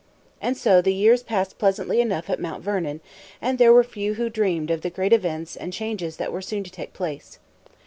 And so the years passed pleasantly enough at Mount Vernon, and there were few who dreamed of the great events and changes that were soon to take place.